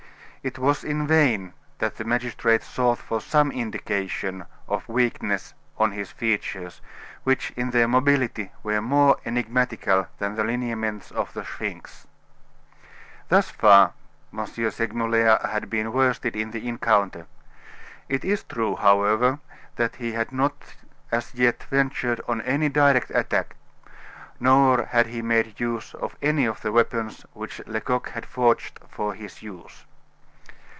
It was in vain that the magistrate sought for some indication of weakness on his features, which in their mobility were more enigmatical than the lineaments of the Sphinx. Thus far, M. Segmuller had been worsted in the encounter. It is true, however, that he had not as yet ventured on any direct attack, nor had he made use of any of the weapons which Lecoq had forged for his use.